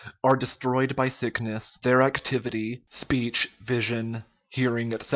are destroyed by sickness, their activity (speech, vision, hearing, etc.)